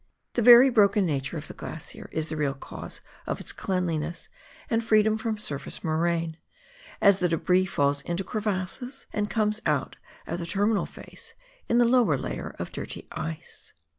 The very broken nature of the glacier is the real cause of its cleanness and freedom from surface moraine, as the debris falls into crevasses and comes out at the terminal face in the lower layer of dirty ice.